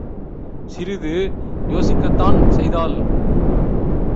சிறிது யோசிக்கத்தான் செய்தாள்.